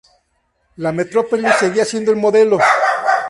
La metrópoli seguía siendo el modelo.